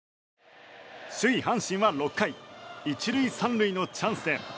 首位、阪神は６回１塁３塁のチャンス。